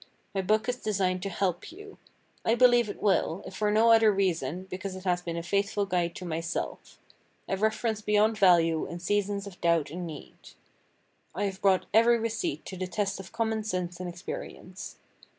My book is designed to help you. I believe it will, if for no other reason, because it has been a faithful guide to myself—a reference beyond value in seasons of doubt and need. I have brought every receipt to the test of common sense and experience.